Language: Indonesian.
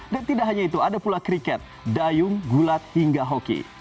dan tidak hanya itu ada pula kriket dayung gulat hingga hoke